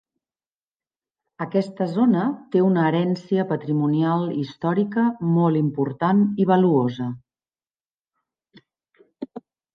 Aquesta zona té una herència patrimonial històrica molt important i valuosa.